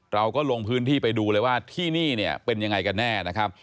เราก็ลงพื้นที่ไปดูเลยว่าที่นี่เนี่ยเป็นยังไงกันแน่นะครับ